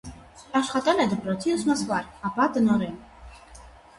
Աշխատել է դպրոցի ուսմասվար, ապա՝ տնօրեն։